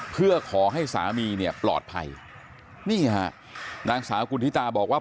เพื่อขอให้สามีเนี่ยปลอดภัยนี่ฮะนางสาวกุณฑิตาบอกว่า